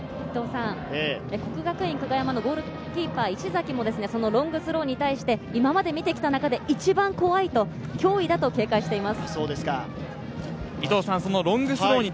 國學院久我山のゴールキーパー・石崎もそのロングスローに対して今まで見てきた中で一番怖い、脅威だと警戒しています。